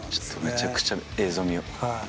めちゃくちゃ映像見よ。